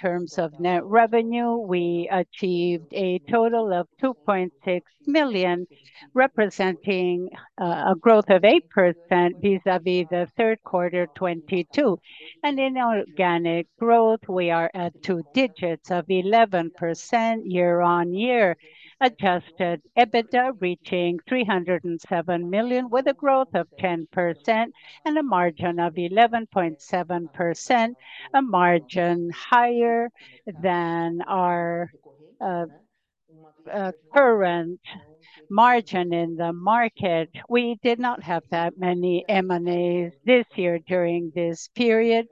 In terms of net revenue, we achieved a total of 2.6 million, representing a growth of 8% vis-à-vis the third quarter 2022. In organic growth, we are at two digits of 11% year-on-year. Adjusted EBITDA reaching 307 million, with a growth of 10% and a margin of 11.7%, a margin higher than our current margin in the market. We did not have that many M&As this year during this period,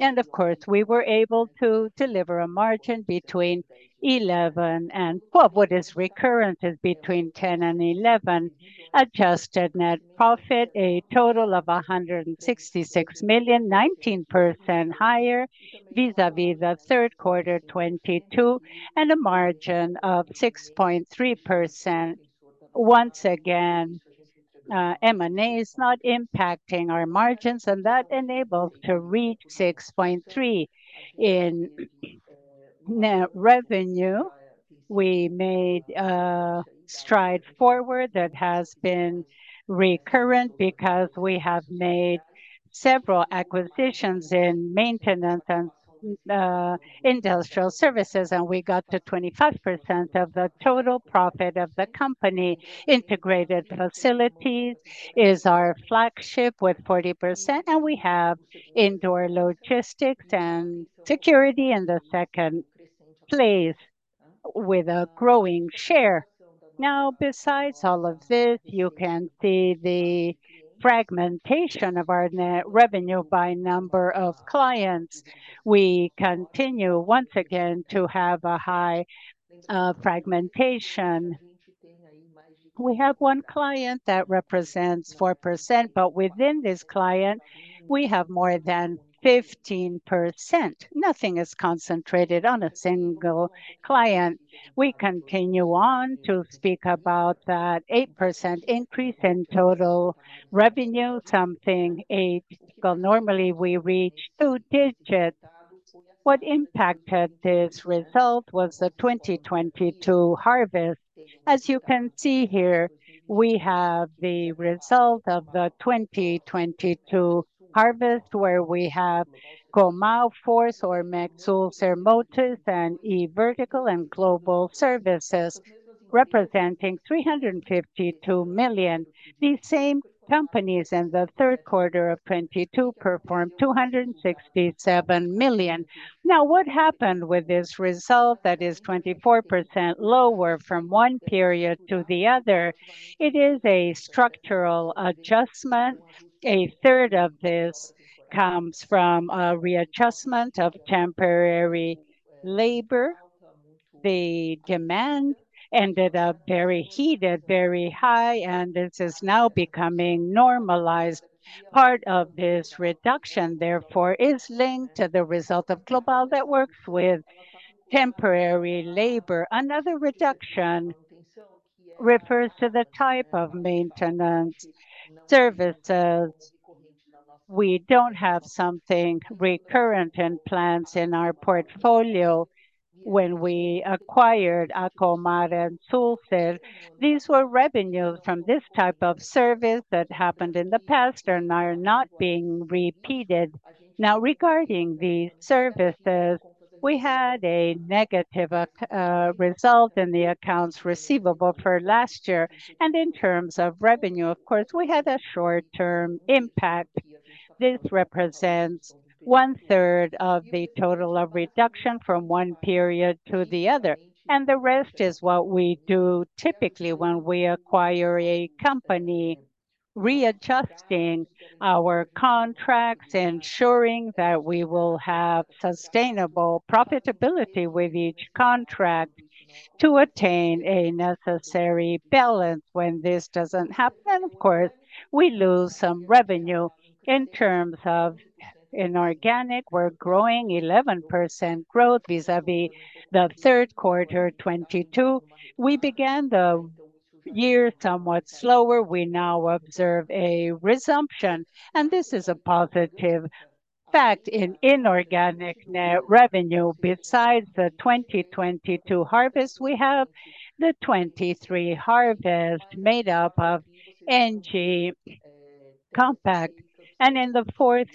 and of course, we were able to deliver a margin between 11%-12%. What is recurrent is between 10%-11%. Adjusted net profit, a total of 166 million, 19% higher vis-à-vis the third quarter 2022, and a margin of 6.3%. Once again, M&A is not impacting our margins, and that enabled to reach 6.3%. In net revenue, we made a stride forward that has been recurrent because we have made several acquisitions in maintenance and industrial services, and we got to 25% of the total profit of the company. Integrated Facilities is our flagship with 40%, and we have Indoor Logistics and Security in the second place with a growing share. Now, besides all of this, you can see the fragmentation of our net revenue by number of clients. We continue once again to have a high fragmentation. We have one client that represents 4%, but within this client, we have more than 15%. Nothing is concentrated on a single client. We continue on to speak about that 8% increase in total revenue, something. Well, normally, we reach two digits. What impacted this result was the 2022 harvest. As you can see here, we have the result of the 2022 harvest, where we have Comau, Force, Sulzer, Motus, and e-Vertical, and Global Services, representing 352 million. These same companies in the third quarter of 2022 performed 267 million. Now, what happened with this result that is 24% lower from one period to the other? It is a structural adjustment. A third of this comes from a readjustment of temporary labor. The demand ended up very heated, very high, and this is now becoming normalized. Part of this reduction, therefore, is linked to the result of Global that works with temporary labor. Another reduction refers to the type of maintenance services. We don't have something recurrent in plans in our portfolio. When we acquired Comau and Sulzer, these were revenues from this type of service that happened in the past and are not being repeated. Now, regarding the services, we had a negative accounts result in the accounts receivable for last year. And in terms of revenue, of course, we had a short-term impact. This represents one-third of the total of reduction from one period to the other, and the rest is what we do typically when we acquire a company, readjusting our contracts, ensuring that we will have sustainable profitability with each contract to attain a necessary balance. When this doesn't happen, of course, we lose some revenue. In terms of inorganic, we're growing 11% growth vis-à-vis the third quarter 2022. We began the year somewhat slower. We now observe a resumption, and this is a positive fact in inorganic net revenue. Besides the 2022 harvest, we have the 2023 harvest made up of Engie, Compart. And in the fourth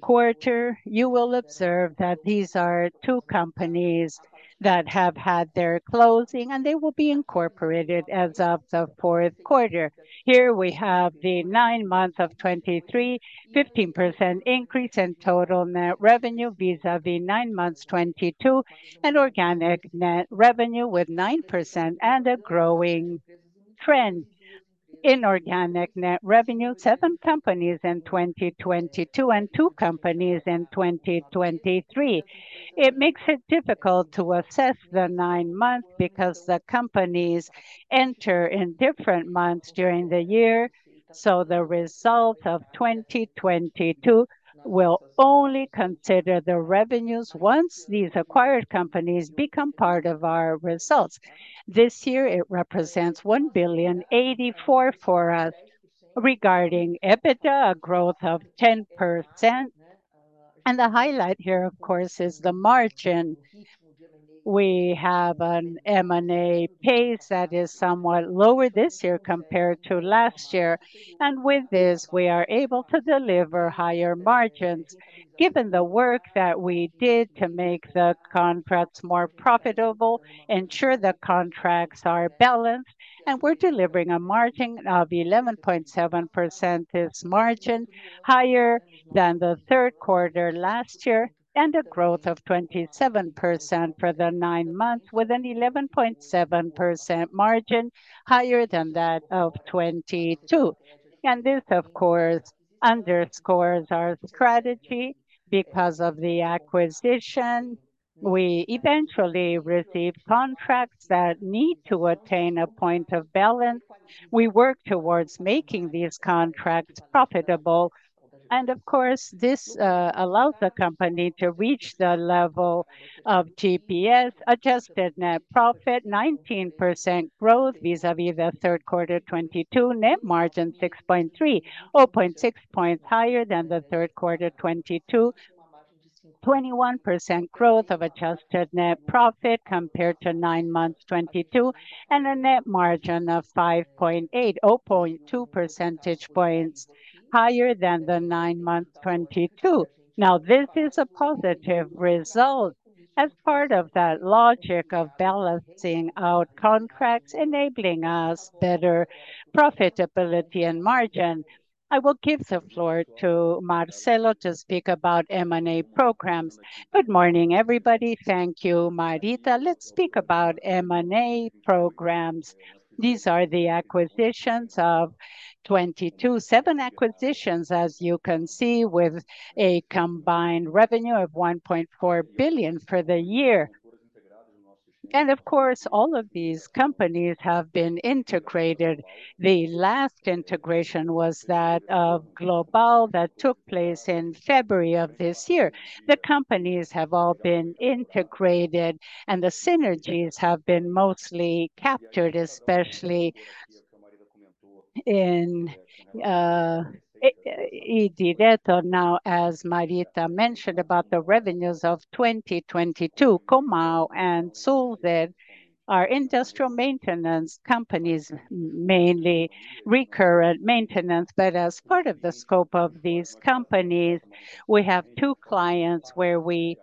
quarter, you will observe that these are two companies that have had their closing, and they will be incorporated as of the fourth quarter. Here we have the nine months of 2023, 15% increase in total net revenue vis-à-vis nine months 2022, and organic net revenue with 9% and a growing trend. Inorganic net revenue, seven companies in 2022 and two companies in 2023. It makes it difficult to assess the nine months because the companies enter in different months during the year, so the result of 2022 will only consider the revenues once these acquired companies become part of our results. This year, it represents 1,084 million for us. Regarding EBITDA, a growth of 10%, and the highlight here, of course, is the margin. We have an M&A pace that is somewhat lower this year compared to last year, and with this, we are able to deliver higher margins. Given the work that we did to make the contracts more profitable, ensure the contracts are balanced, and we're delivering a margin of 11.7%. This margin, higher than the third quarter last year, and a growth of 27% for the nine months, with an 11.7% margin higher than that of 2022. And this, of course, underscores our strategy because of the acquisition. We eventually receive contracts that need to attain a point of balance. We work towards making these contracts profitable, and of course, this allows the company to reach the level of GPS. Adjusted net profit, 19% growth vis-à-vis the third quarter 2022. Net margin, 6.3%, or 0.6 points higher than the third quarter 2022. 21% growth of adjusted net profit compared to nine months, 2022, and a net margin of 5.8%, or 0.2 percentage points higher than the nine months, 2022. Now, this is a positive result as part of that logic of balancing out contracts, enabling us better profitability and margin. I will give the floor to Marcelo to speak about M&A programs. Good morning, everybody. Thank you, Marita. Let's speak about M&A programs. These are the acquisitions of 2022. Seven acquisitions, as you can see, with a combined revenue of 1.4 billion for the year. And of course, all of these companies have been integrated. The last integration was that of Global, that took place in February of this year. The companies have all been integrated, and the synergies have been mostly captured, especially in Indireto. Now, as Marita mentioned about the revenues of 2022, Comau and Sulzer are industrial maintenance companies, mainly recurrent maintenance. But as part of the scope of these companies, we have two clients where we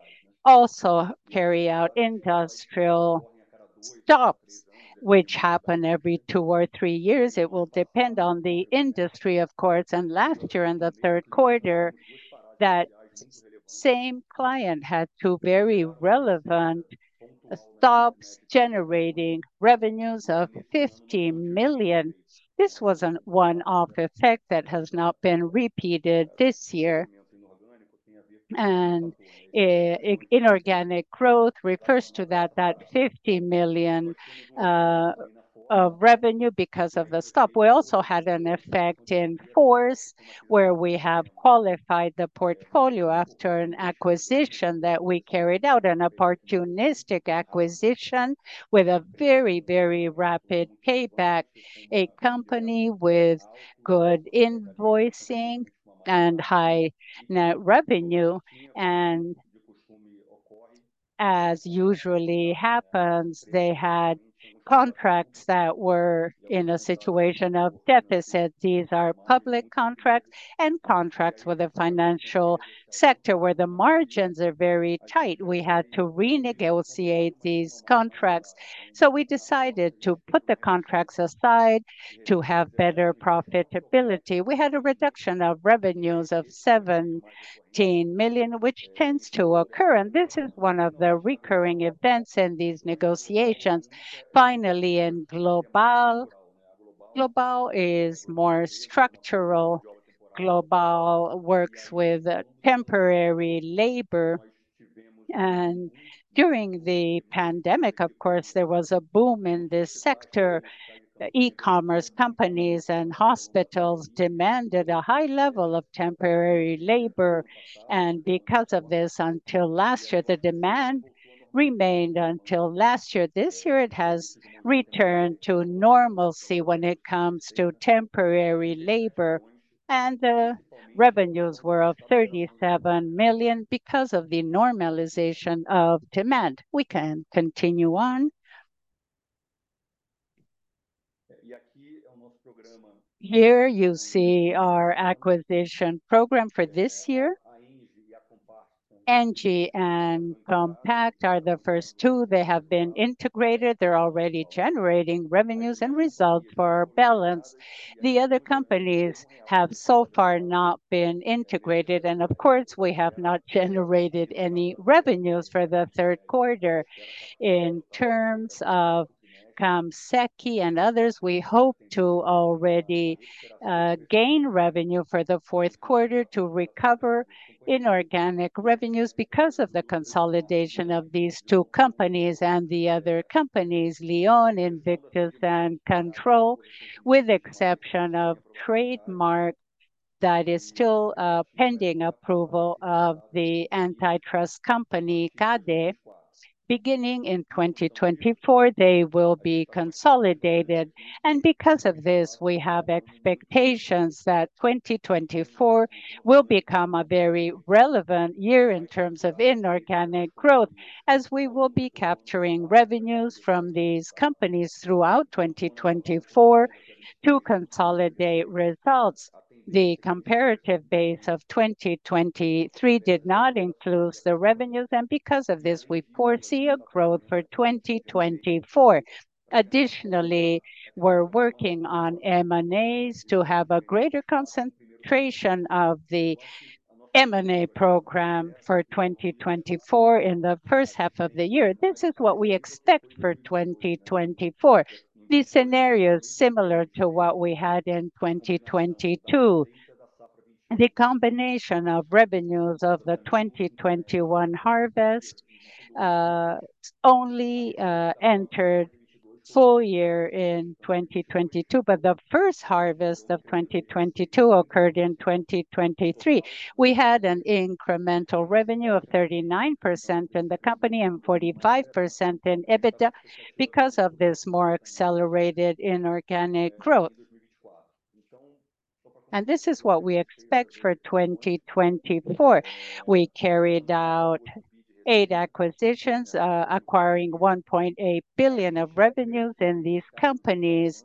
also carry out industrial stops, which happen every two or three years. It will depend on the industry, of course. And last year, in the third quarter, that same client had two very relevant stops, generating revenues of 50 million. This was a one-off effect that has not been repeated this year. And inorganic growth refers to that fifty million of revenue because of the stop. We also had an effect in Force, where we have qualified the portfolio after an acquisition that we carried out, an opportunistic acquisition with a very, very rapid payback. A company with good invoicing and high net revenue, and as usually happens, they had contracts that were in a situation of deficit. These are public contracts and contracts with the financial sector, where the margins are very tight. We had to renegotiate these contracts, so we decided to put the contracts aside to have better profitability. We had a reduction of revenues of 17 million, which tends to occur, and this is one of the recurring events in these negotiations. Finally, in Global, Global is more structural. Global works with temporary labor, and during the pandemic, of course, there was a boom in this sector. The e-commerce companies and hospitals demanded a high level of temporary labor, and because of this, until last year, the demand remained until last year. This year, it has returned to normalcy when it comes to temporary labor, and the revenues were 37 million because of the normalization of demand. We can continue on. Here you see our acquisition program for this year. Engie and Compart are the first two. They have been integrated. They're already generating revenues and results for our balance. The other companies have so far not been integrated, and of course, we have not generated any revenues for the third quarter. In terms of Campseg and others, we hope to already gain revenue for the fourth quarter to recover inorganic revenues because of the consolidation of these two companies and the other companies, Lyon, Invictus, and Control, with exception of Trademark... that is still pending approval of the antitrust company, CADE. Beginning in 2024, they will be consolidated, and because of this, we have expectations that 2024 will become a very relevant year in terms of inorganic growth, as we will be capturing revenues from these companies throughout 2024 to consolidate results. The comparative base of 2023 did not include the revenues, and because of this, we foresee a growth for 2024. Additionally, we're working on M&As to have a greater concentration of the M&A program for 2024 in the first half of the year. This is what we expect for 2024. This scenario is similar to what we had in 2022. The combination of revenues of the 2021 harvest only entered full year in 2022, but the first harvest of 2022 occurred in 2023. We had an incremental revenue of 39% in the company and 45% in EBITDA because of this more accelerated inorganic growth. This is what we expect for 2024. We carried out eight acquisitions, acquiring 1.8 billion of revenues in these companies.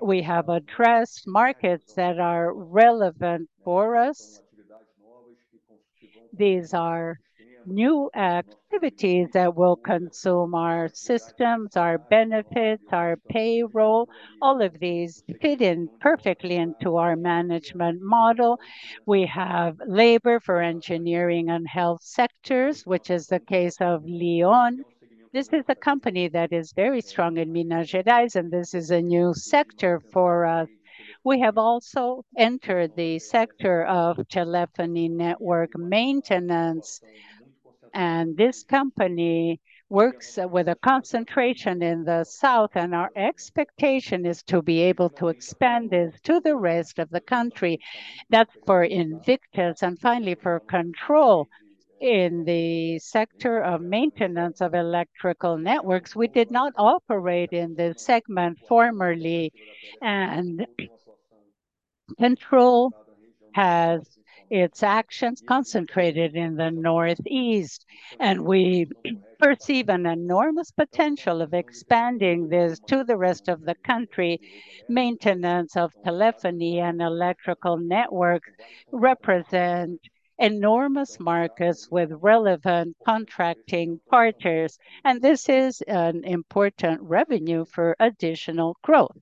We have addressed markets that are relevant for us. These are new activities that will consume our systems, our benefits, our payroll. All of these fit in perfectly into our management model. We have labor for engineering and health sectors, which is the case of Lyon. This is a company that is very strong in Minas Gerais, and this is a new sector for us. We have also entered the sector of telephony network maintenance, and this company works with a concentration in the south, and our expectation is to be able to expand this to the rest of the country. That's for Invictus. And finally, for Control, in the sector of maintenance of electrical networks, we did not operate in this segment formerly, and Control has its actions concentrated in the northeast, and we perceive an enormous potential of expanding this to the rest of the country. Maintenance of telephony and electrical network represent enormous markets with relevant contracting partners, and this is an important revenue for additional growth.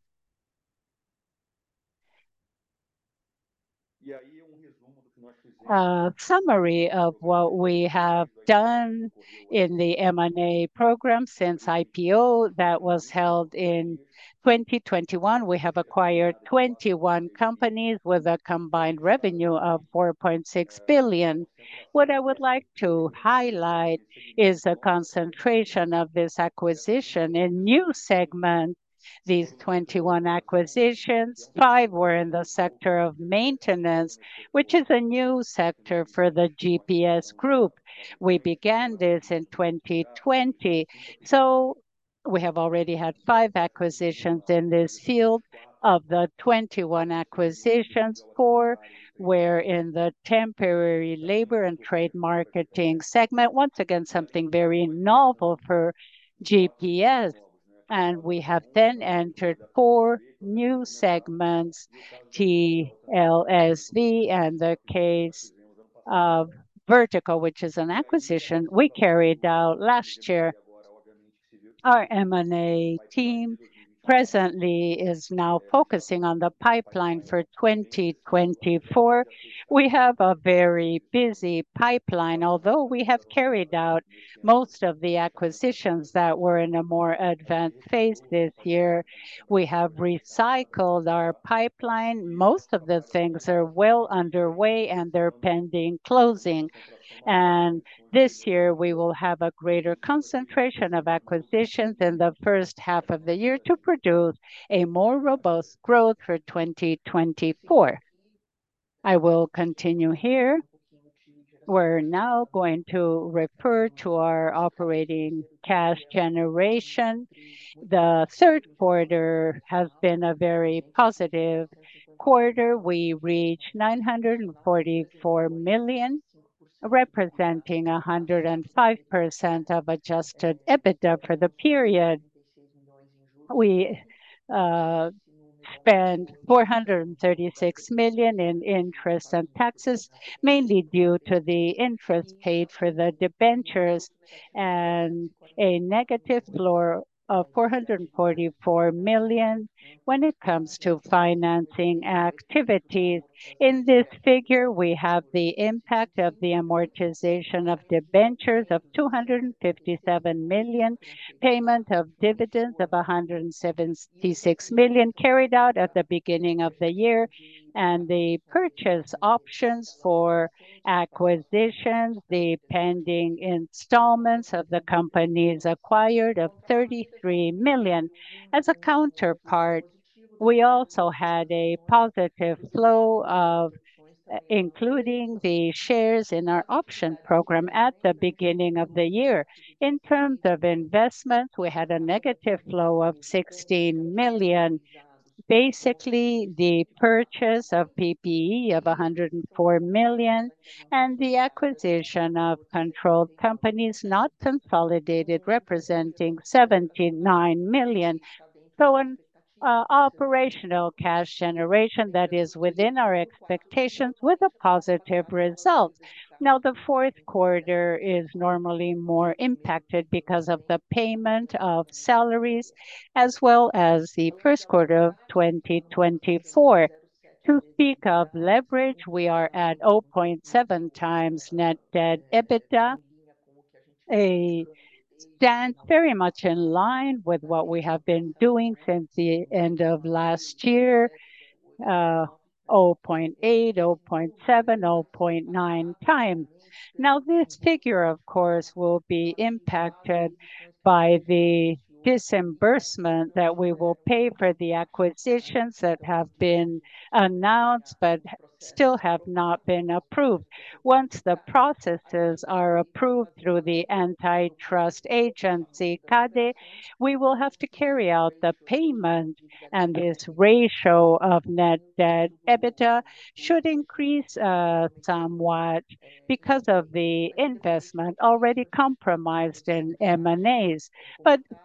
Summary of what we have done in the M&A program since IPO that was held in 2021. We have acquired 21 companies with a combined revenue of 4.6 billion. What I would like to highlight is the concentration of this acquisition in new segment. These 21 acquisitions, five were in the sector of maintenance, which is a new sector for the GPS Group. We began this in 2020, so we have already had five acquisitions in this field. Of the 21 acquisitions, four were in the temporary labor and trade marketing segment. Once again, something very novel for GPS, and we have then entered four new segments, TLSV and the case of e-Vertical, which is an acquisition we carried out last year. Our M&A team presently is now focusing on the pipeline for 2024. We have a very busy pipeline. Although we have carried out most of the acquisitions that were in a more advanced phase this year, we have recycled our pipeline. Most of the things are well underway, and they're pending closing. This year we will have a greater concentration of acquisitions in the first half of the year to produce a more robust growth for 2024. I will continue here. We're now going to refer to our operating cash generation. The third quarter has been a very positive quarter. We reached 944 million, representing 105% of adjusted EBITDA for the period. We spent 436 million in interest and taxes, mainly due to the interest paid for the debentures and a negative flow of 444 million when it comes to financing activities. In this figure, we have the impact of the amortization of debentures of 257 million, payment of dividends of 176 million carried out at the beginning of the year, and the purchase options for acquisitions, the pending installments of the companies acquired of 33 million. As a counterpart, we also had a positive flow of including the shares in our option program at the beginning of the year. In terms of investment, we had a negative flow of 16 million, basically, the purchase of PPE of 104 million, and the acquisition of controlled companies not consolidated, representing 79 million. So an operational cash generation that is within our expectations with a positive result. Now, the fourth quarter is normally more impacted because of the payment of salaries, as well as the first quarter of 2024. To speak of leverage, we are at 0.7x net debt/EBITDA, a stance very much in line with what we have been doing since the end of last year, 0.8, 0.9 times. Now, this figure, of course, will be impacted by the disbursement that we will pay for the acquisitions that have been announced, but still have not been approved. Once the processes are approved through the antitrust agency, CADE, we will have to carry out the payment, and this ratio of net debt/EBITDA should increase somewhat because of the investment already compromised in M&As. But as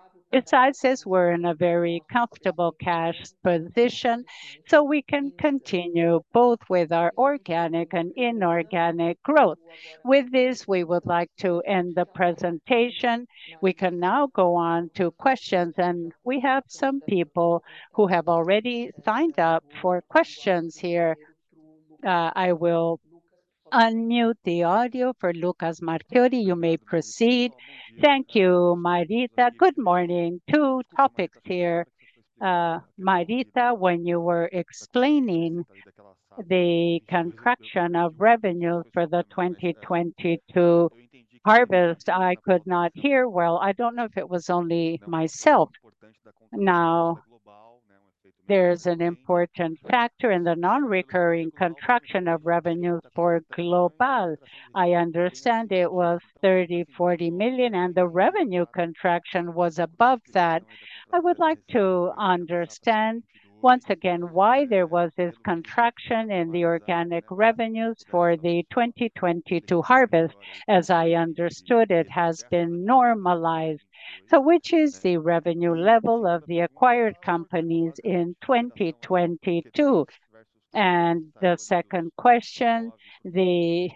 I said, we're in a very comfortable cash position, so we can continue both with our organic and inorganic growth. With this, we would like to end the presentation. We can now go on to questions, and we have some people who have already signed up for questions here. I will unmute the audio for Lucas Marchiori. You may proceed. Thank you, Marita. Good morning. Two topics here. Marita, when you were explaining the contraction of revenue for the 2022 harvest, I could not hear well. I don't know if it was only myself. Now, there's an important factor in the non-recurring contraction of revenue for Global. I understand it was 30-40 million, and the revenue contraction was above that. I would like to understand once again, why there was this contraction in the organic revenues for the 2022 harvest. As I understood, it has been normalized. So which is the revenue level of the acquired companies in 2022? And the second question, the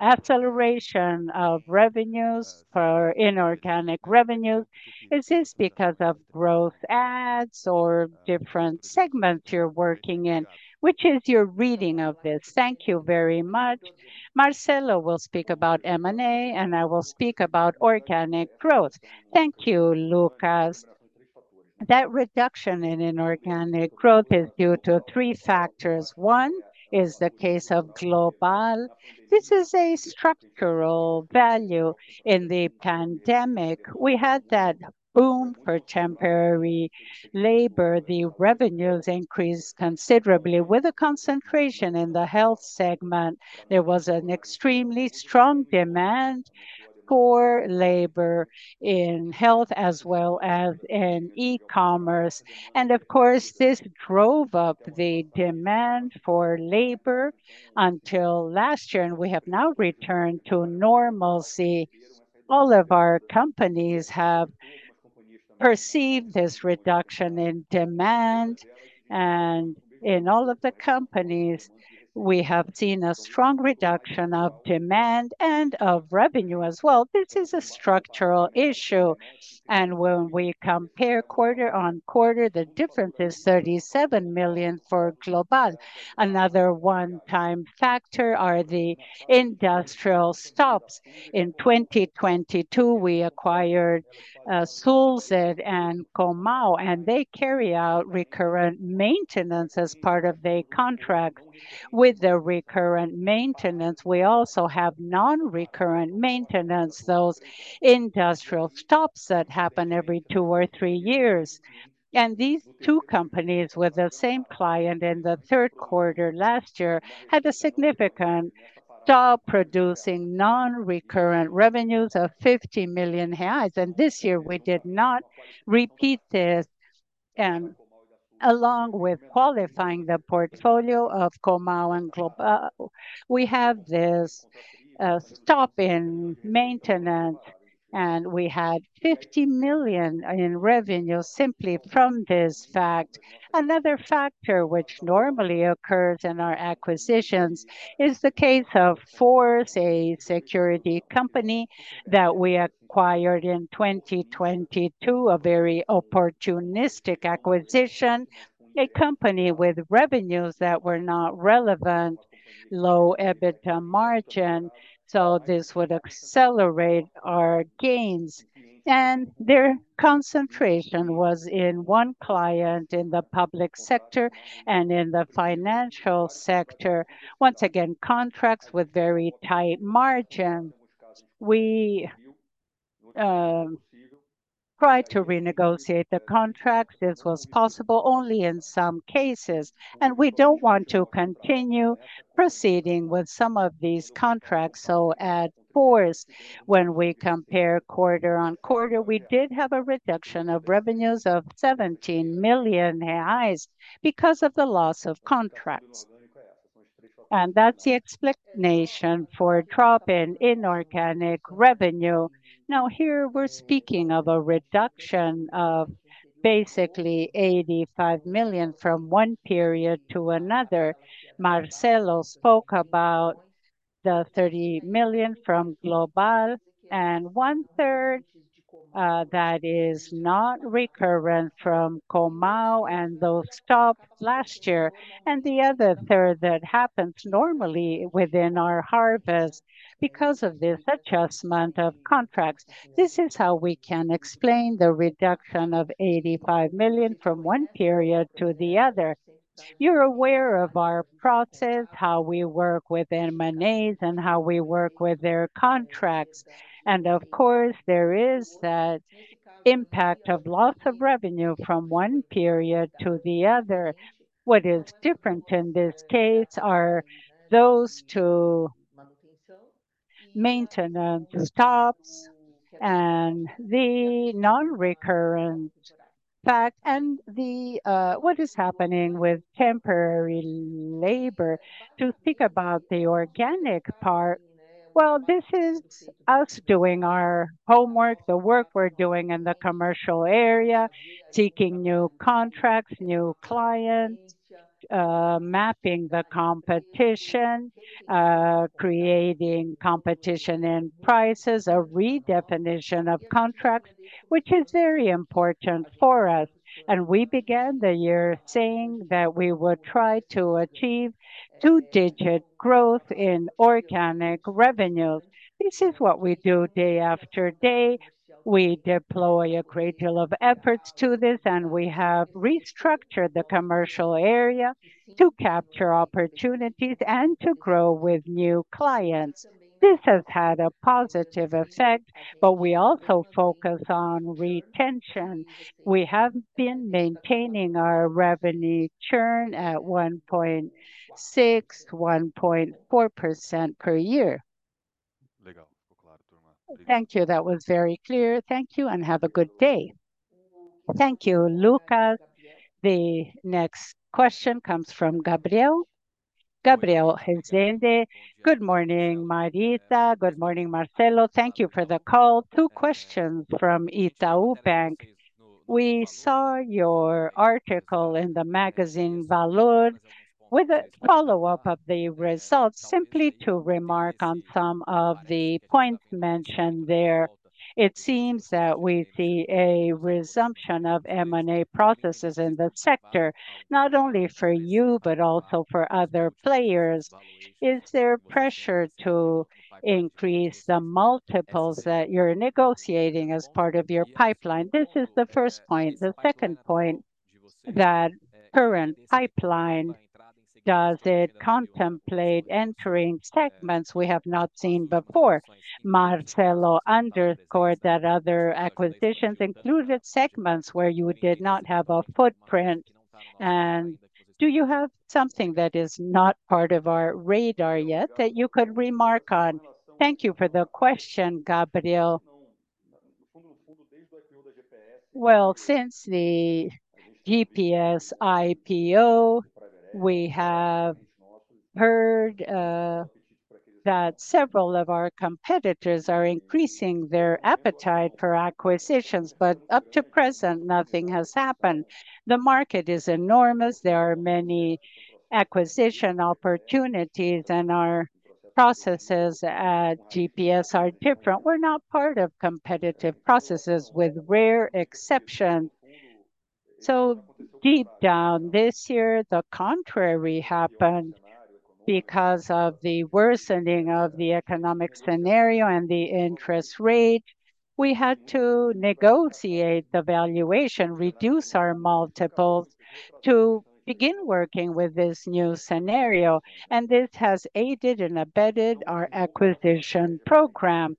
acceleration of revenues for inorganic revenues, is this because of growth ads or different segments you're working in? Which is your reading of this? Thank you very much. Marcelo will speak about M&A, and I will speak about organic growth. Thank you, Lucas. That reduction in inorganic growth is due to three factors. One is the case of Global. This is a structural value. In the pandemic, we had that boom for temporary labor. The revenues increased considerably with a concentration in the health segment. There was an extremely strong demand for labor in health as well as in e-commerce, and of course, this drove up the demand for labor until last year, and we have now returned to normalcy. All of our companies have perceived this reduction in demand, and in all of the companies, we have seen a strong reduction of demand and of revenue as well. This is a structural issue, and when we compare quarter-on-quarter, the difference is 37 million for Global. Another one-time factor are the industrial stops. In 2022, we acquired Sulzer and Comau, and they carry out recurrent maintenance as part of their contract. With the recurrent maintenance, we also have non-recurrent maintenance, those industrial stops that happen every two or three years. These two companies, with the same client in the third quarter last year, had a significant stop producing non-recurrent revenues of 50 million reais, and this year we did not repeat this. Along with qualifying the portfolio of Comau and Global, we have this stop in maintenance, and we had 50 million in revenue simply from this fact. Another factor which normally occurs in our acquisitions is the case of Force, a security company that we acquired in 2022, a very opportunistic acquisition. A company with revenues that were not relevant, low EBITDA margin, so this would accelerate our gains. Their concentration was in one client in the public sector and in the financial sector. Once again, contracts with very tight margin. We tried to renegotiate the contract. This was possible only in some cases, and we don't want to continue proceeding with some of these contracts. So at Force, when we compare quarter-on-quarter, we did have a reduction of revenues of 17 million reais because of the loss of contracts. And that's the explanation for drop in inorganic revenue. Now, here we're speaking of a reduction of basically 85 million from one period to another. Marcelo spoke about the 30 million from Global, and one third that is not recurrent from Comau, and those stopped last year, and the other third that happens normally within our harvest because of this adjustment of contracts. This is how we can explain the reduction of 85 million from one period to the other. You're aware of our process, how we work with M&As, and how we work with their contracts, and of course, there is that impact of loss of revenue from one period to the other. What is different in this case are those two maintenance stops and the non-recurrent fact, and the, what is happening with temporary labor. To think about the organic part, well, this is us doing our homework, the work we're doing in the commercial area, seeking new contracts, new clients, mapping the competition, creating competition and prices, a redefinition of contracts, which is very important for us. And we began the year saying that we would try to achieve two-digit growth in organic revenues. This is what we do day after day. We deploy a great deal of efforts to this, and we have restructured the commercial area to capture opportunities and to grow with new clients. This has had a positive effect, but we also focus on retention. We have been maintaining our revenue churn at 1.6%-1.4% per year. Thank you. That was very clear. Thank you, and have a good day. Thank you, Lucas. The next question comes from Gabriel. Gabriel Rezende. Good morning, Marita. Good morning, Marcelo. Thank you for the call. Two questions from Itaú Bank. We saw your article in the magazine, Valor, with a follow-up of the results, simply to remark on some of the points mentioned there. It seems that we see a resumption of M&A processes in the sector, not only for you, but also for other players. Is there pressure to increase the multiples that you're negotiating as part of your pipeline? This is the first point. The second point, that current pipeline, does it contemplate entering segments we have not seen before? Marcelo underscored that other acquisitions included segments where you did not have a footprint. Do you have something that is not part of our radar yet that you could remark on? Thank you for the question, Gabriel. Well, since the GPS IPO, we have heard that several of our competitors are increasing their appetite for acquisitions, but up to present, nothing has happened. The market is enormous. There are many acquisition opportunities, and our processes at GPS are different. We're not part of competitive processes, with rare exception. So deep down, this year, the contrary happened because of the worsening of the economic scenario and the interest rate. We had to negotiate the valuation, reduce our multiples to begin working with this new scenario, and this has aided and abetted our acquisition program.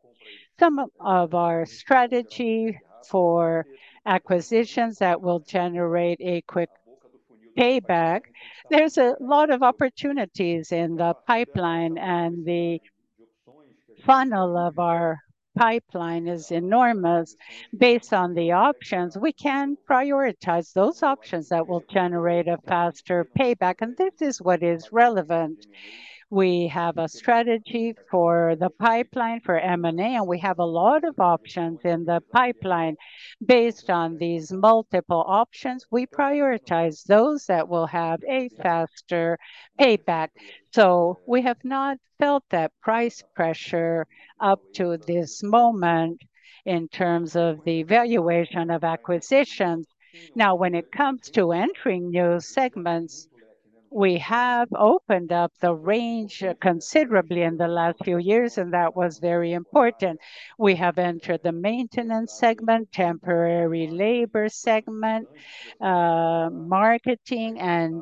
Some of our strategy for acquisitions that will generate a quick payback, there's a lot of opportunities in the pipeline, and the funnel of our pipeline is enormous. Based on the options, we can prioritize those options that will generate a faster payback, and this is what is relevant. We have a strategy for the pipeline, for M&A, and we have a lot of options in the pipeline. Based on these multiple options, we prioritize those that will have a faster payback. We have not felt that price pressure up to this moment in terms of the valuation of acquisitions. Now, when it comes to entering new segments, we have opened up the range considerably in the last few years, and that was very important. We have entered the maintenance segment, temporary labor segment, marketing, and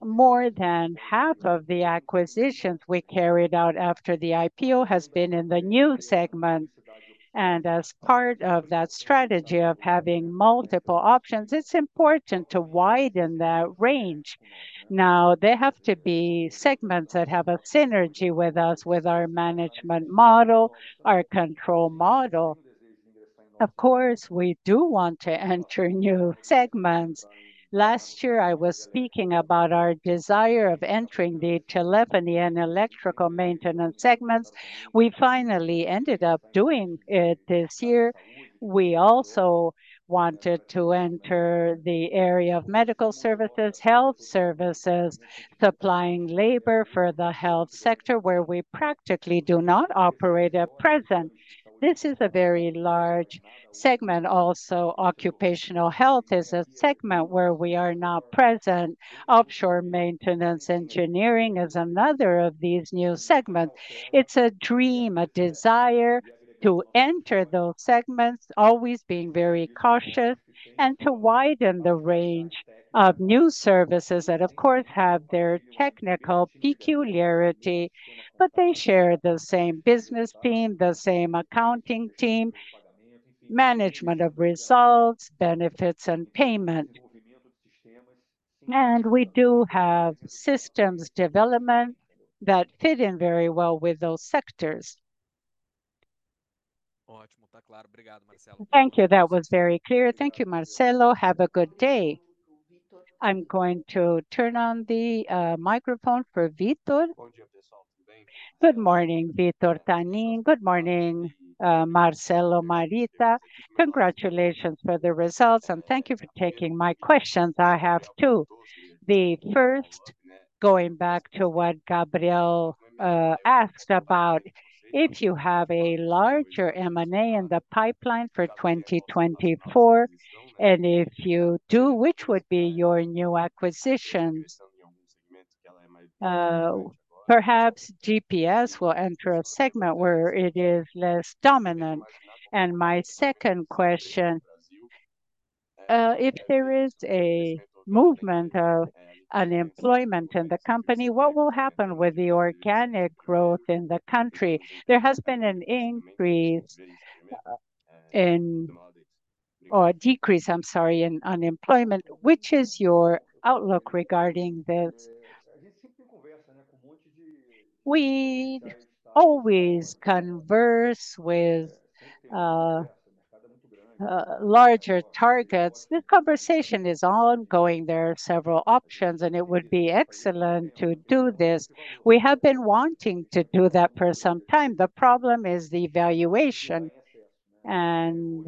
more than half of the acquisitions we carried out after the IPO has been in the new segment. As part of that strategy of having multiple options, it's important to widen that range. Now, they have to be segments that have a synergy with us, with our management model, our control model. Of course, we do want to enter new segments. Last year, I was speaking about our desire of entering the telephony and electrical maintenance segments. We finally ended up doing it this year. We also wanted to enter the area of medical services, health services, supplying labor for the health sector, where we practically do not operate at present. This is a very large segment. Also, occupational health is a segment where we are not present. Offshore maintenance engineering is another of these new segments. It's a dream, a desire to enter those segments, always being very cautious, and to widen the range of new services that of course have their technical peculiarity, but they share the same business team, the same accounting team, management of results, benefits, and payment. We do have systems development that fit in very well with those sectors. Thank you. That was very clear. Thank you, Marcelo. Have a good day. I'm going to turn on the microphone for Vitor. Good morning, Vitor Tani. Good morning, Marcelo, Marita. Congratulations for the results, and thank you for taking my questions. I have two. The first, going back to what Gabriel asked about, if you have a larger M&A in the pipeline for 2024, and if you do, which would be your new acquisition? Perhaps GPS will enter a segment where it is less dominant. And my second question, if there is a movement of unemployment in the company, what will happen with the organic growth in the country? There has been an increase or a decrease, I'm sorry, in unemployment. Which is your outlook regarding this? We always converse with larger targets. The conversation is ongoing. There are several options, and it would be excellent to do this. We have been wanting to do that for some time. The problem is the valuation. And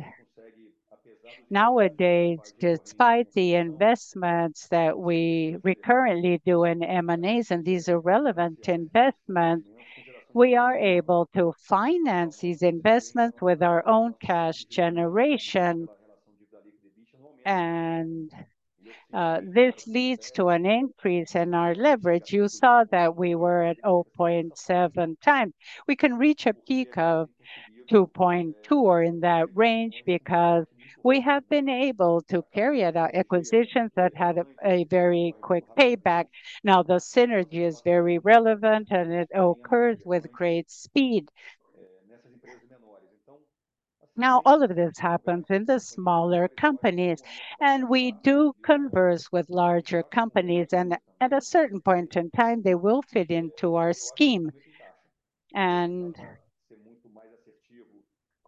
nowadays, despite the investments that we currently do in M&As, and these are relevant investments, we are able to finance these investments with our own cash generation, and this leads to an increase in our leverage. You saw that we were at 0.7 times. We can reach a peak of 2.2, or in that range, because we have been able to carry out our acquisitions that had a very quick payback. Now, the synergy is very relevant, and it occurs with great speed. Now, all of this happens in the smaller companies, and we do converse with larger companies, and at a certain point in time, they will fit into our scheme.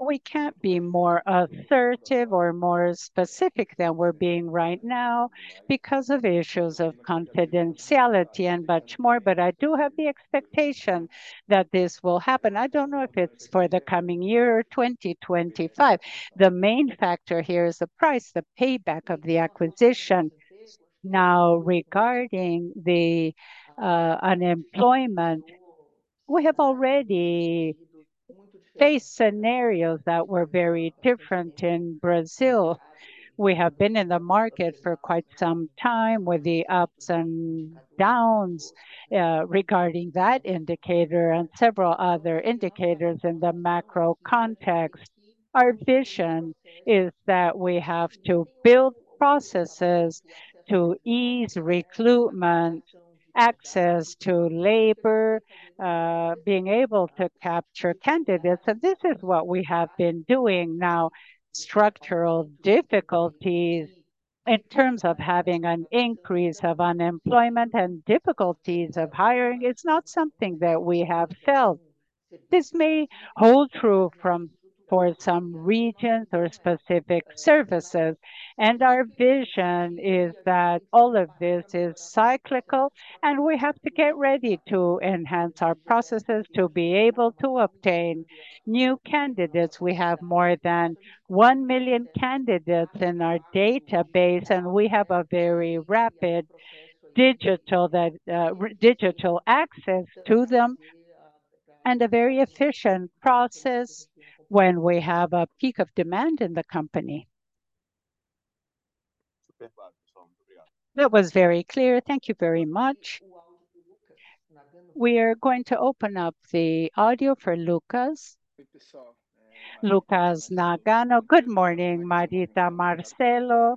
We can't be more assertive or more specific than we're being right now because of issues of confidentiality and much more, but I do have the expectation that this will happen. I don't know if it's for the coming year or 2025. The main factor here is the price, the payback of the acquisition. Now, regarding the unemployment, we have already faced scenarios that were very different in Brazil. We have been in the market for quite some time, with the ups and downs, regarding that indicator and several other indicators in the macro context. Our vision is that we have to build processes to ease recruitment, access to labor, being able to capture candidates, and this is what we have been doing. Now, structural difficulties in terms of having an increase of unemployment and difficulties of hiring, it's not something that we have felt. This may hold true for some regions or specific services, and our vision is that all of this is cyclical, and we have to get ready to enhance our processes to be able to obtain new candidates. We have more than 1 million candidates in our database, and we have a very rapid digital access to them, and a very efficient process when we have a peak of demand in the company. That was very clear. Thank you very much. We are going to open up the audio for Lucas. Lucas Nagano. Good morning, Marita, Marcelo.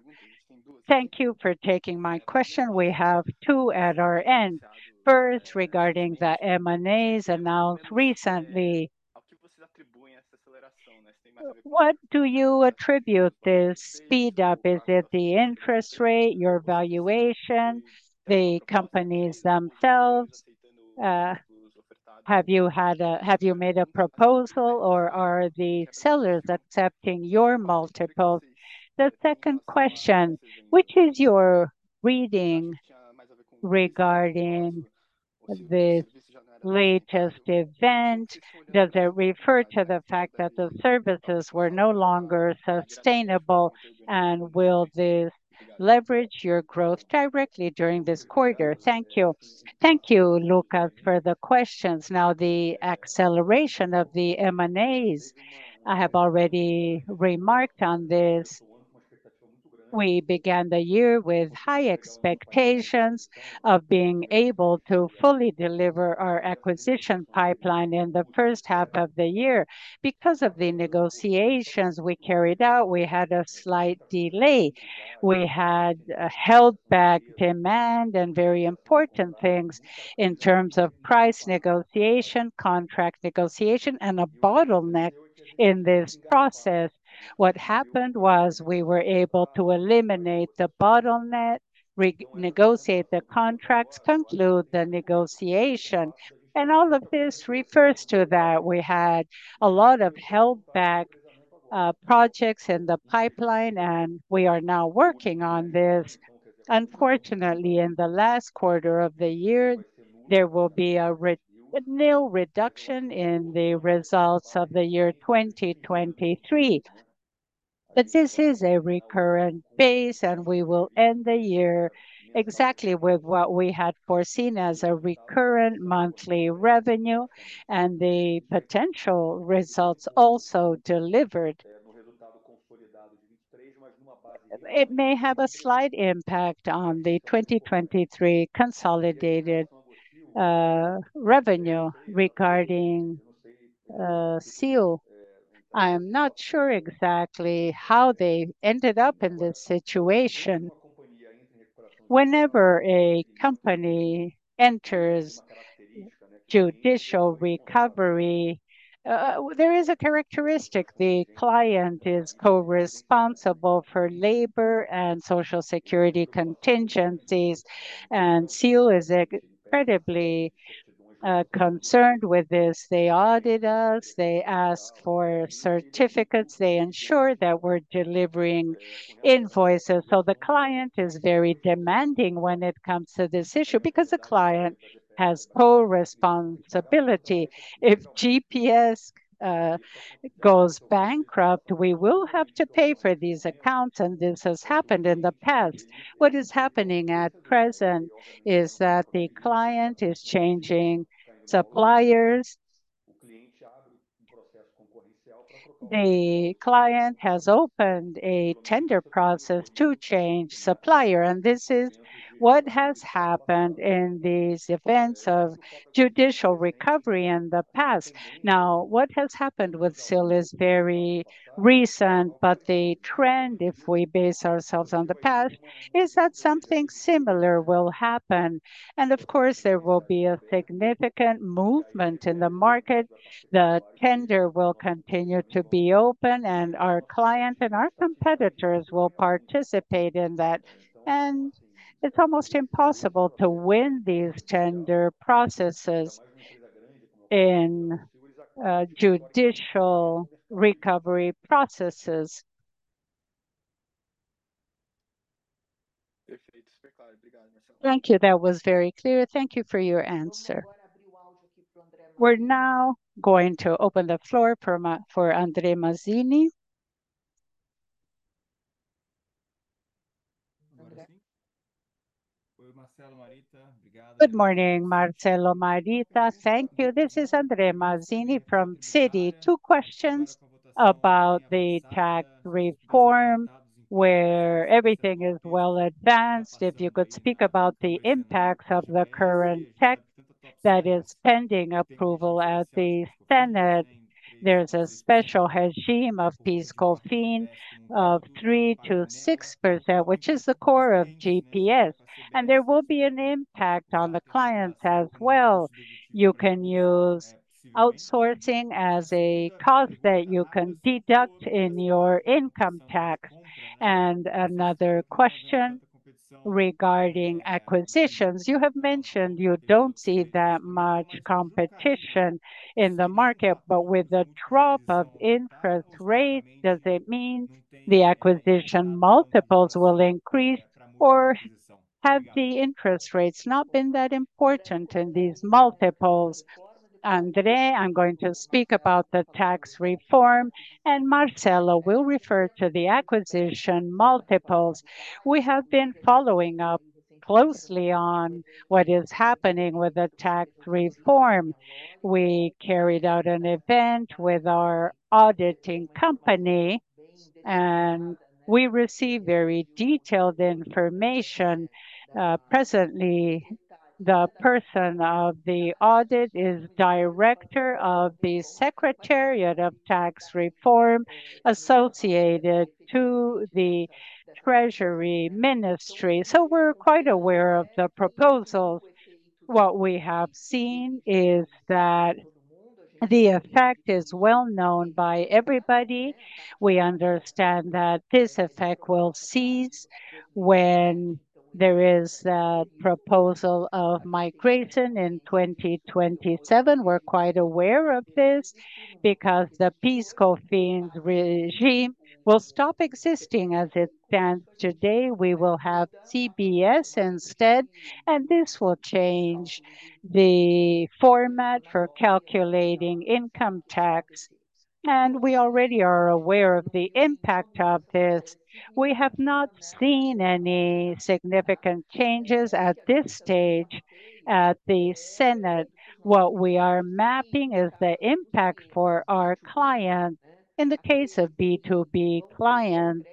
Thank you for taking my question. We have two at our end. First, regarding the M&As announced recently, what do you attribute this speed-up? Is it the interest rate, your valuation, the companies themselves? Have you made a proposal, or are the sellers accepting your multiples? The second question: Which is your reading regarding the latest event? Does it refer to the fact that the services were no longer sustainable, and will this leverage your growth directly during this quarter? Thank you. Thank you, Lucas, for the questions. Now, the acceleration of the M&As, I have already remarked on this. We began the year with high expectations of being able to fully deliver our acquisition pipeline in the first half of the year. Because of the negotiations we carried out, we had a slight delay. We had held back demand and very important things in terms of price negotiation, contract negotiation, and a bottleneck in this process. What happened was we were able to eliminate the bottleneck, renegotiate the contracts, conclude the negotiation, and all of this refers to that. We had a lot of held back projects in the pipeline, and we are now working on this. Unfortunately, in the last quarter of the year, there will be an annual reduction in the results of the year 2023. But this is a recurrent base, and we will end the year exactly with what we had foreseen as a recurrent monthly revenue, and the potential results also delivered. It may have a slight impact on the 2023 consolidated revenue. Regarding Seal, I am not sure exactly how they ended up in this situation. Whenever a company enters judicial recovery, there is a characteristic. The client is co-responsible for labor and social security contingencies, and Seal is incredibly concerned with this. They audit us, they ask for certificates, they ensure that we're delivering invoices. So the client is very demanding when it comes to this issue because the client has co-responsibility. If GPS goes bankrupt, we will have to pay for these accounts, and this has happened in the past. What is happening at present is that the client is changing suppliers. The client has opened a tender process to change supplier, and this is what has happened in these events of judicial recovery in the past. Now, what has happened with Seal is very recent, but the trend, if we base ourselves on the past, is that something similar will happen. Of course, there will be a significant movement in the market. The tender will continue to be open, and our client and our competitors will participate in that. And it's almost impossible to win these tender processes in judicial recovery processes. Thank you. That was very clear. Thank you for your answer. We're now going to open the floor for André Mazzini. Good morning, Marcelo Marita. Thank you. This is André Mazzini from Citi. Two questions about the tax reform, where everything is well advanced. If you could speak about the impacts of the current tax that is pending approval at the Senate. There's a special regime of PIS/COFINS of 3%-6%, which is the core of GPS, and there will be an impact on the clients as well. You can use outsourcing as a cost that you can deduct in your income tax. Another question regarding acquisitions: You have mentioned you don't see that much competition in the market, but with the drop of interest rates, does it mean the acquisition multiples will increase, or have the interest rates not been that important in these multiples? André, I'm going to speak about the tax reform, and Marcelo will refer to the acquisition multiples. We have been following up closely on what is happening with the tax reform. We carried out an event with our auditing company, and we received very detailed information. Presently, the person of the audit is director of the Secretariat of Tax Reform associated to the Treasury Ministry. So we're quite aware of the proposal. What we have seen is that the effect is well known by everybody. We understand that this effect will cease when there is a proposal of migration in 2027. We're quite aware of this, because the PIS/COFINS regime will stop existing as it stands today. We will have CBS instead, and this will change the format for calculating income tax, and we already are aware of the impact of this. We have not seen any significant changes at this stage at the Senate. What we are mapping is the impact for our clients. In the case of B2B clients,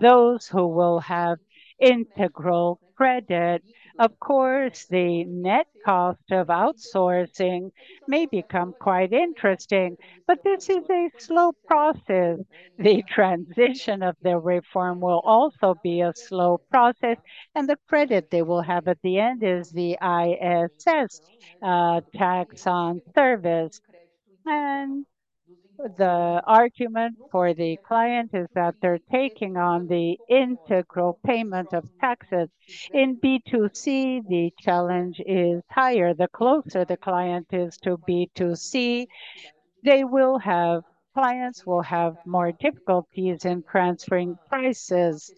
those who will have integral credit. Of course, the net cost of outsourcing may become quite interesting, but this is a slow process. The transition of the reform will also be a slow process, and the credit they will have at the end is the ISS, tax on service. The argument for the client is that they're taking on the integral payment of taxes. In B2C, the challenge is higher. The closer the client is to B2C, clients will have more difficulties in transferring prices.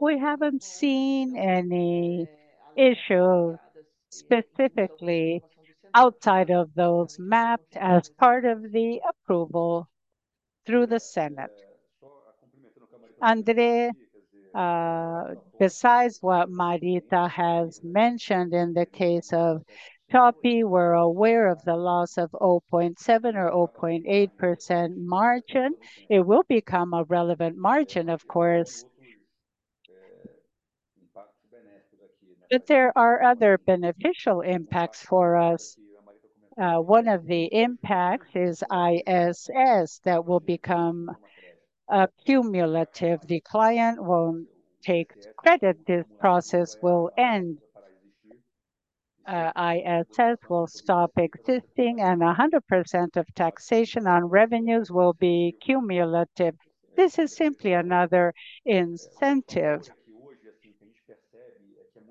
We haven't seen any issue specifically outside of those mapped as part of the approval through the Senate. André, besides what Marita has mentioned in the case of Tagg, we're aware of the loss of 0.7% or 0.8% margin. It will become a relevant margin, of course. But there are other beneficial impacts for us. One of the impacts is ISS, that will become cumulative. The client will take credit. This process will end. ISS will stop existing, and 100% of taxation on revenues will be cumulative. This is simply another incentive.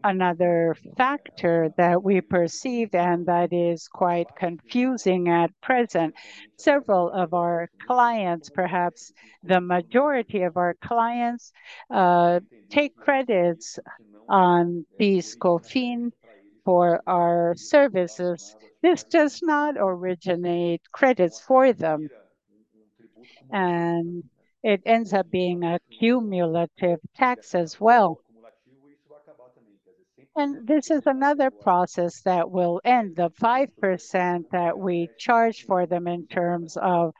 Another factor that we perceived, and that is quite confusing at present, several of our clients, perhaps the majority of our clients, take credits on PIS/COFINS for our services. This does not originate credits for them, and it ends up being a cumulative tax as well. This is another process that will end. The 5% that we charge for them in terms of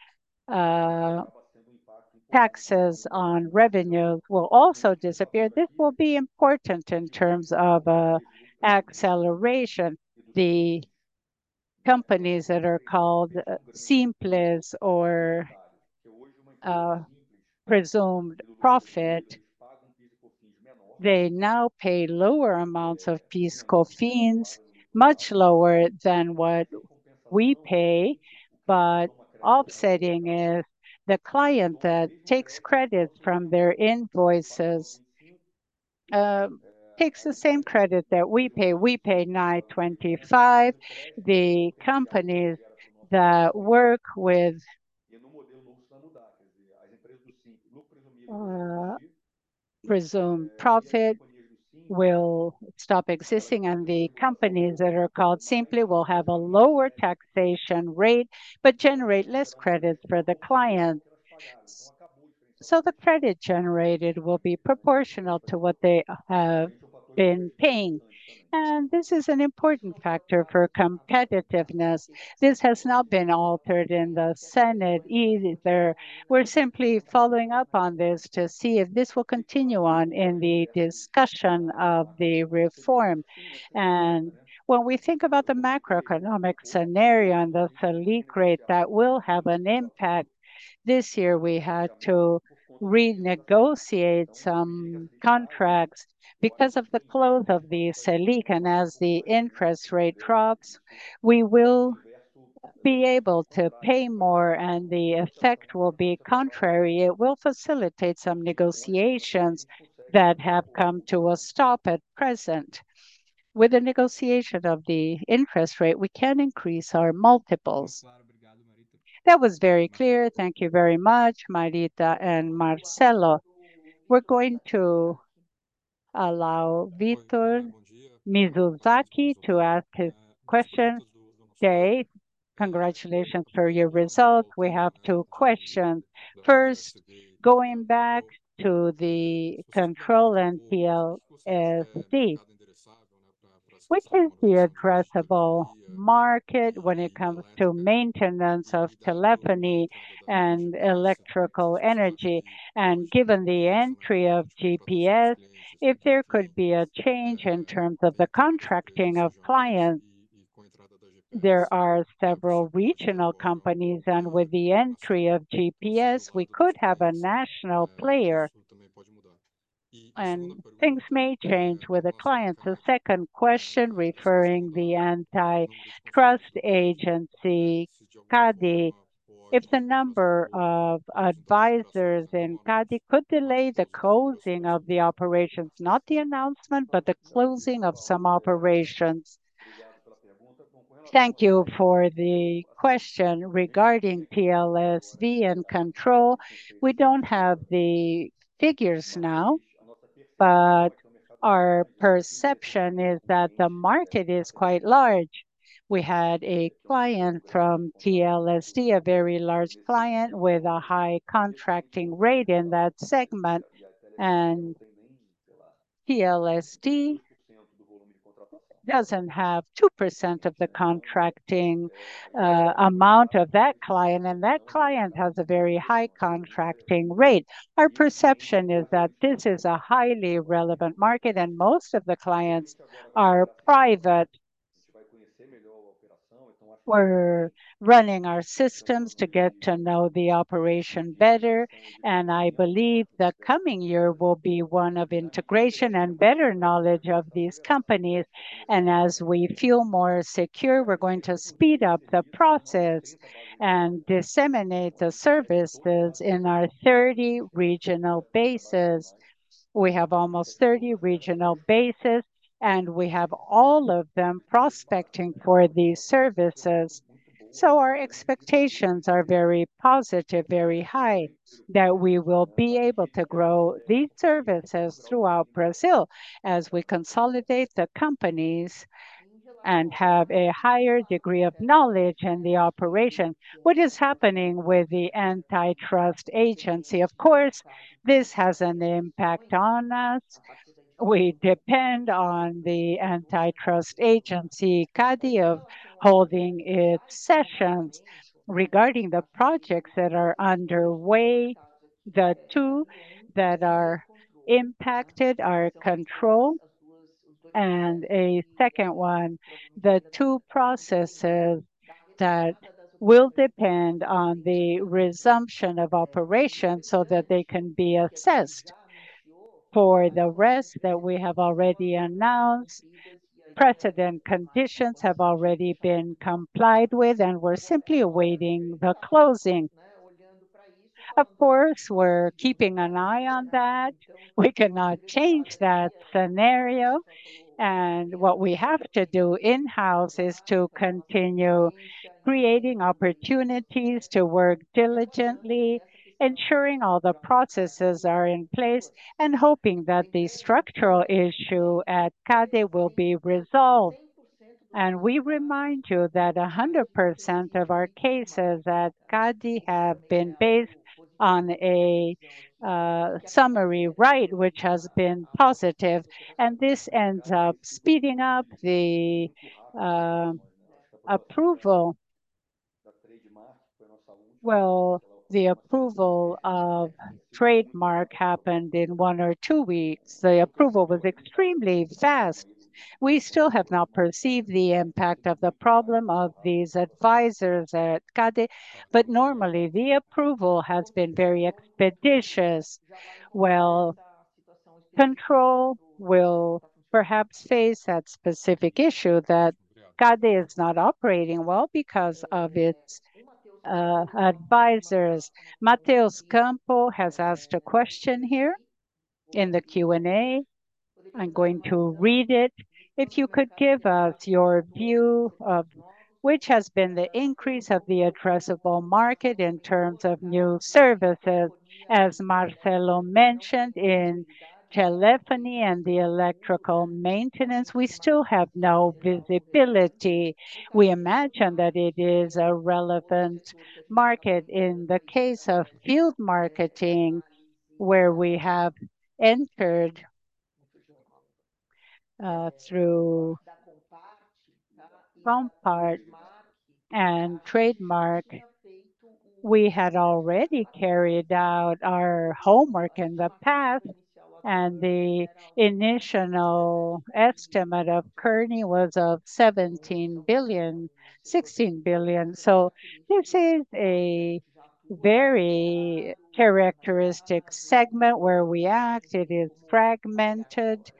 taxes on revenue will also disappear. This will be important in terms of acceleration. The companies that are called Simples or presumed profit, they now pay lower amounts of PIS/COFINS, much lower than what we pay. But offsetting it, the client that takes credit from their invoices takes the same credit that we pay. We pay 9.25%. The companies that work with presumed profit will stop existing, and the companies that are called Simples will have a lower taxation rate, but generate less credits for the clients. So the credit generated will be proportional to what they have been paying, and this is an important factor for competitiveness. This has not been altered in the Senate either. We're simply following up on this to see if this will continue on in the discussion of the reform. And when we think about the macroeconomic scenario and the Selic rate, that will have an impact. This year, we had to renegotiate some contracts because of the close of the Selic, and as the interest rate drops, we will be able to pay more, and the effect will be contrary. It will facilitate some negotiations that have come to a stop at present. With the negotiation of the interest rate, we can increase our multiples. That was very clear. Thank you very much, Marita and Marcelo. We're going to allow Victor Mizusaki to ask his question. Dave, congratulations for your result. We have two questions. First, going back to the Control and TLSV, which is the addressable market when it comes to maintenance of telephony and electrical energy, and given the entry of GPS, if there could be a change in terms of the contracting of clients? There are several regional companies, and with the entry of GPS, we could have a national player... and things may change with the clients. The second question referring to the antitrust agency, CADE, if the number of advisors in CADE could delay the closing of the operations, not the announcement, but the closing of some operations? Thank you for the question regarding TLSV and Control. We don't have the figures now, but our perception is that the market is quite large. We had a client from TLSV, a very large client with a high contracting rate in that segment, and TLSV doesn't have 2% of the contracting amount of that client, and that client has a very high contracting rate. Our perception is that this is a highly relevant market, and most of the clients are private. We're running our systems to get to know the operation better, and I believe the coming year will be one of integration and better knowledge of these companies. And as we feel more secure, we're going to speed up the process and disseminate the services in our 30 regional bases. We have almost 30 regional bases, and we have all of them prospecting for these services. So our expectations are very positive, very high, that we will be able to grow these services throughout Brazil as we consolidate the companies and have a higher degree of knowledge in the operation. What is happening with the antitrust agency? Of course, this has an impact on us. We depend on the antitrust agency, CADE, holding its sessions regarding the projects that are underway. The two that are impacted are Control, and a second one, the two processes that will depend on the resumption of operations so that they can be assessed. For the rest that we have already announced, precedent conditions have already been complied with, and we're simply awaiting the closing. Of course, we're keeping an eye on that. We cannot change that scenario, and what we have to do in-house is to continue creating opportunities to work diligently, ensuring all the processes are in place, and hoping that the structural issue at CADE will be resolved. We remind you that 100% of our cases at CADE have been based on a summary right, which has been positive, and this ends up speeding up the approval. Well, the approval of Trademark happened in one or two weeks. The approval was extremely fast. We still have not perceived the impact of the problem of these advisors at CADE, but normally, the approval has been very expeditious. Well, Control will perhaps face that specific issue that CADE is not operating well because of its advisors. Mateus Campos has asked a question here in the Q&A. I'm going to read it. If you could give us your view of which has been the increase of the addressable market in terms of new services, as Marcelo mentioned, in telephony and the electrical maintenance, we still have no visibility. We imagine that it is a relevant market in the case of field marketing, where we have entered through Compart and Trademark. We had already carried out our homework in the past, and the initial estimate of Kearney was of 17 billion, 16 billion. So this is a very characteristic segment where we act. It is fragmented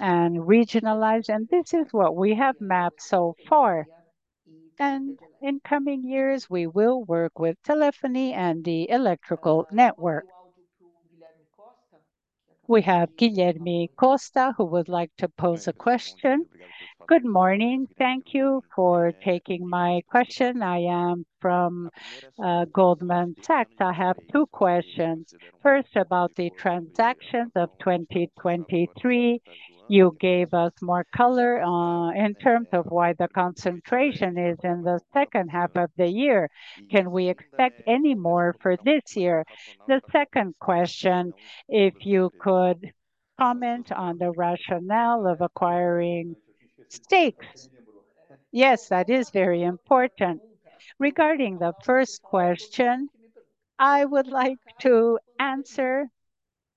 and regionalized, and this is what we have mapped so far. And in coming years, we will work with telephony and the electrical network. We have Guilherme Costa, who would like to pose a question. Good morning. Thank you for taking my question. I am from Goldman Sachs. I have two questions. First, about the transactions of 2023. You gave us more color in terms of why the concentration is in the second half of the year. Can we expect any more for this year? The second question, if you could comment on the rationale of acquiring stakes. Yes, that is very important. Regarding the first question, I would like to answer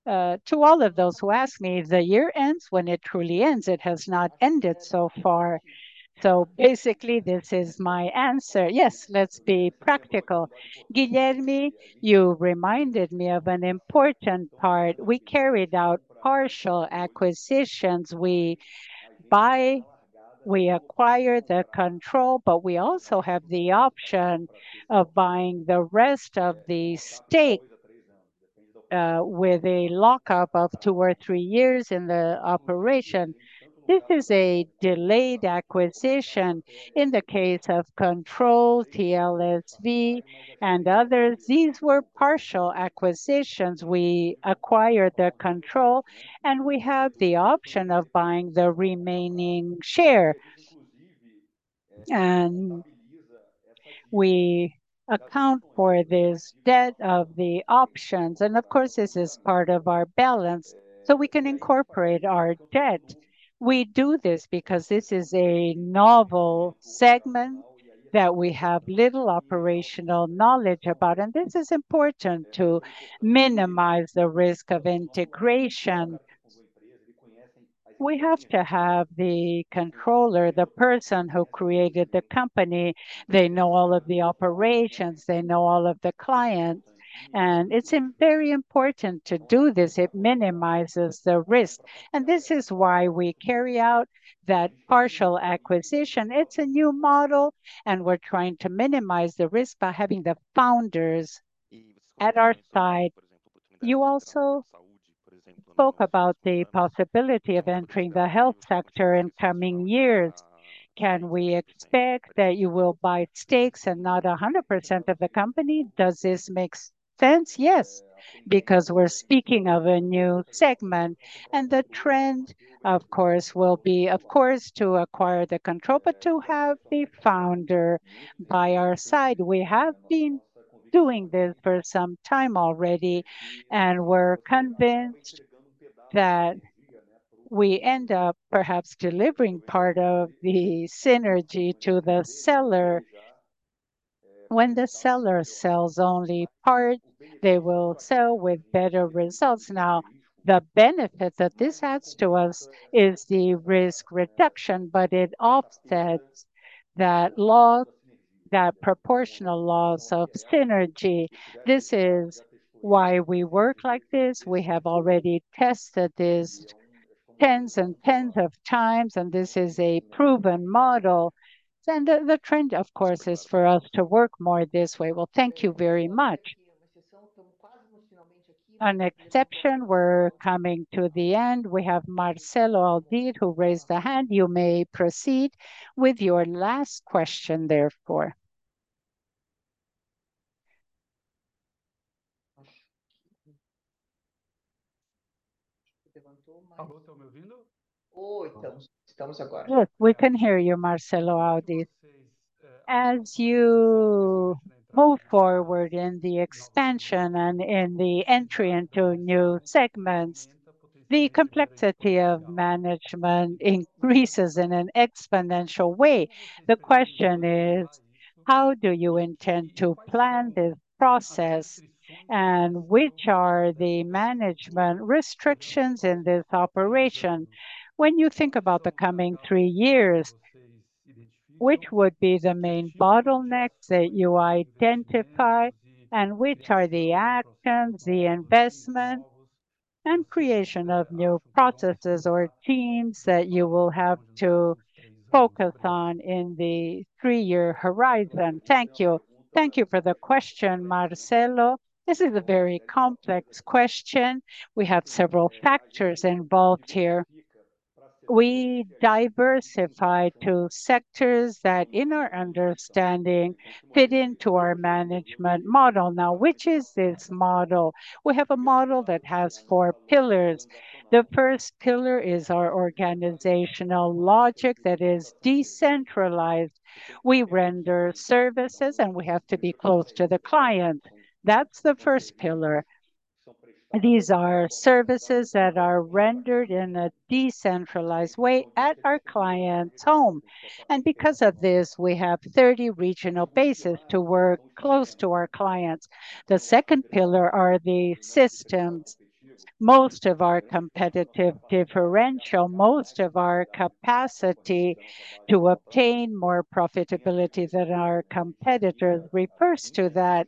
to all of those who ask me, the year ends when it truly ends. It has not ended so far. So basically, this is my answer. Yes, let's be practical. Guilherme, you reminded me of an important part. We carried out partial acquisitions. We buy, we acquire the control, but we also have the option of buying the rest of the stake with a lock-up of two or three years in the operation. This is a delayed acquisition. In the case of Control, TLSV, and others, these were partial acquisitions. We acquired their control, and we have the option of buying the remaining shares. We account for this debt of the options, and of course, this is part of our balance, so we can incorporate our debt. We do this because this is a novel segment that we have little operational knowledge about, and this is important to minimize the risk of integration. We have to have the controller, the person who created the company. They know all of the operations, they know all of the clients, and it's very important to do this. It minimizes the risk, and this is why we carry out that partial acquisition. It's a new model, and we're trying to minimize the risk by having the founders at our side. You also spoke about the possibility of entering the health sector in coming years. Can we expect that you will buy stakes and not 100% of the company? Does this make sense? Yes, because we're speaking of a new segment, and the trend, of course, will be, of course, to acquire the control, but to have the founder by our side. We have been doing this for some time already, and we're convinced that we end up perhaps delivering part of the synergy to the seller. When the seller sells only part, they will sell with better results. Now, the benefit that this adds to us is the risk reduction, but it offsets that loss, that proportional loss of synergy. This is why we work like this. We have already tested this tens and tens of times, and this is a proven model. And the trend, of course, is for us to work more this way. Well, thank you very much. An exception, we're coming to the end. We have Marcelo Aldir, who raised a hand. You may proceed with your last question, therefore. Good, we can hear you, Marcelo Aldir. As you move forward in the expansion and in the entry into new segments, the complexity of management increases in an exponential way. The question is: How do you intend to plan this process, and which are the management restrictions in this operation? When you think about the coming three years, which would be the main bottlenecks that you identify, and which are the actions, the investment, and creation of new processes or teams that you will have to focus on in the three-year horizon? Thank you. Thank you for the question, Marcelo. This is a very complex question. We have several factors involved here. We diversify to sectors that, in our understanding, fit into our management model. Now, which is this model? We have a model that has four pillars. The first pillar is our organizational logic that is decentralized. We render services, and we have to be close to the client. That's the first pillar. These are services that are rendered in a decentralized way at our client's home, and because of this, we have 30 regional bases to work close to our clients. The second pillar are the systems. Most of our competitive differential, most of our capacity to obtain more profitability than our competitors refers to that.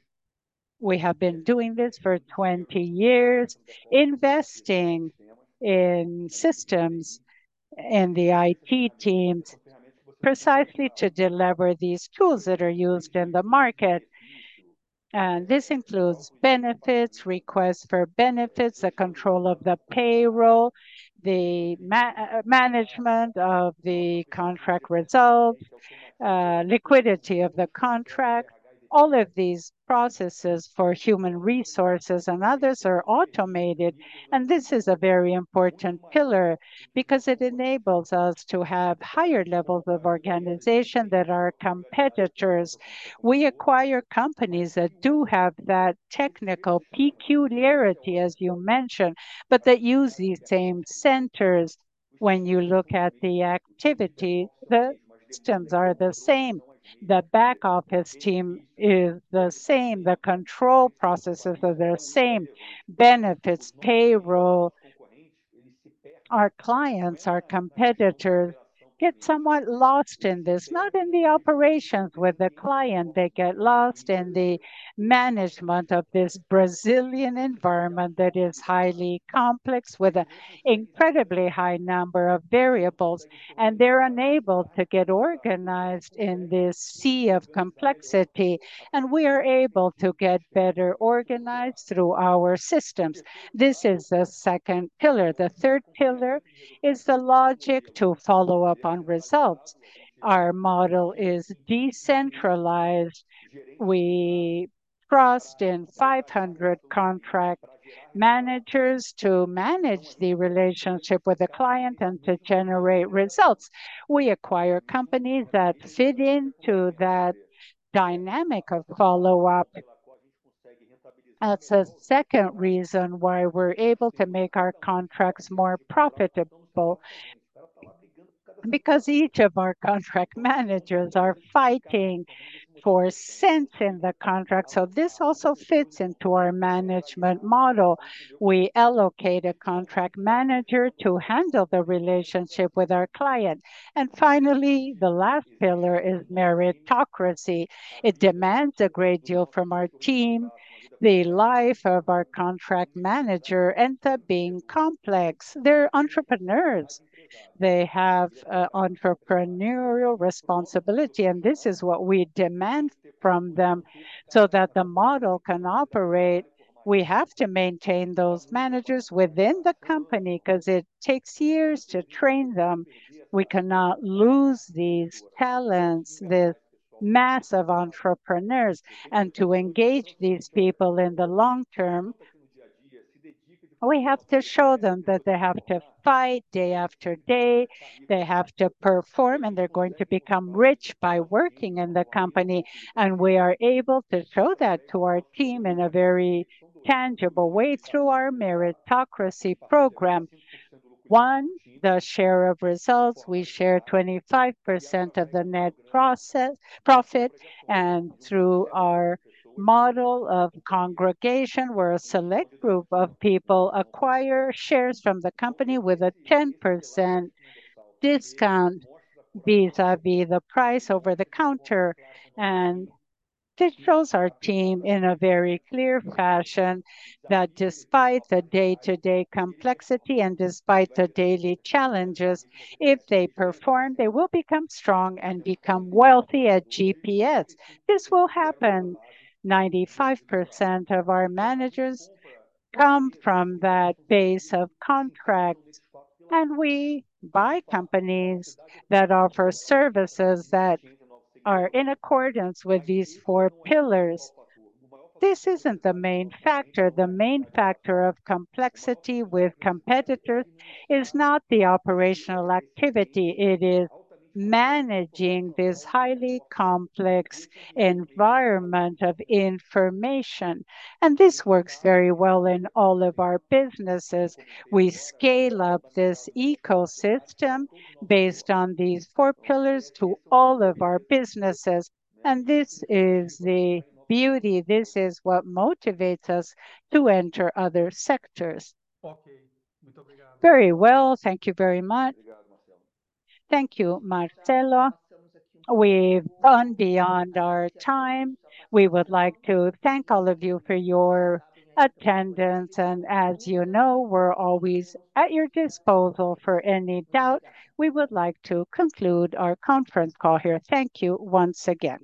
We have been doing this for 20 years, investing in systems and the IT teams precisely to deliver these tools that are used in the market. And this includes benefits, requests for benefits, the control of the payroll, the management of the contract result, liquidity of the contract. All of these processes for human resources and others are automated, and this is a very important pillar because it enables us to have higher levels of organization than our competitors. We acquire companies that do have that technical peculiarity, as you mentioned, but that use these same centers. When you look at the activity, the systems are the same. The back office team is the same. The control processes are the same. Benefits, payroll. Our clients, our competitors, get somewhat lost in this, not in the operations with the client. They get lost in the management of this Brazilian environment that is highly complex, with an incredibly high number of variables, and they're unable to get organized in this sea of complexity, and we are able to get better organized through our systems. This is the second pillar. The third pillar is the logic to follow up on results. Our model is decentralized. We trust in 500 contract managers to manage the relationship with the client and to generate results. We acquire companies that fit into that dynamic of follow-up. That's a second reason why we're able to make our contracts more profitable, because each of our contract managers are fighting for cents in the contract, so this also fits into our management model. We allocate a contract manager to handle the relationship with our client. And finally, the last pillar is meritocracy. It demands a great deal from our team. The life of our contract manager ends up being complex. They're entrepreneurs. They have entrepreneurial responsibility, and this is what we demand from them. So that the model can operate, we have to maintain those managers within the company 'cause it takes years to train them. We cannot lose these talents, this mass of entrepreneurs, and to engage these people in the long term, we have to show them that they have to fight day after day, they have to perform, and they're going to become rich by working in the company. We are able to show that to our team in a very tangible way through our meritocracy program. One, the share of results, we share 25% of the net profit, and through our model of congregation, where a select group of people acquire shares from the company with a 10% discount, vis-à-vis the price over the counter. And this shows our team in a very clear fashion, that despite the day-to-day complexity and despite the daily challenges, if they perform, they will become strong and become wealthy at GPS. This will happen. 95% of our managers come from that base of contracts, and we buy companies that offer services that are in accordance with these four pillars. This isn't the main factor. The main factor of complexity with competitors is not the operational activity. It is managing this highly complex environment of information, and this works very well in all of our businesses. We scale up this ecosystem based on these four pillars to all of our businesses, and this is the beauty, this is what motivates us to enter other sectors. Okay. Very well. Thank you very much. Thank you, Marcelo. Thank you, Marcelo. We've gone beyond our time. We would like to thank all of you for your attendance, and as you know, we're always at your disposal for any doubt. We would like to conclude our conference call here. Thank you once again.